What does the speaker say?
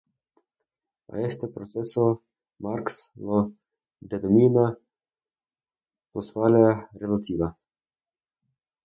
A este proceso Marx lo denomina "plusvalía relativa".